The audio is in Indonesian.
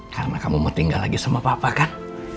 karena kamu mau tinggal lagi sama papa kan